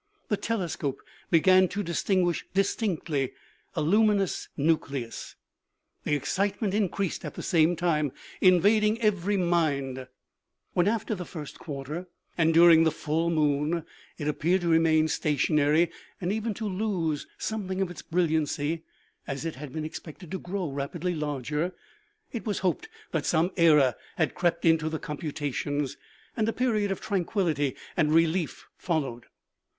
The telescope began to distinguish distinctly a luminous nucleus. The excite ment increased at the same time, invading every mind. OMEGA. 29 THE COMET AS SEEN AT PARIS. When, after the first quarter and during the full moon, it appeared to remain stationary and even to lose some thing of its brilliancy, as it had been expected to grow rapidly larger, it was hoped that some error had crept into the computations, and a period of tranquillity and relief followed.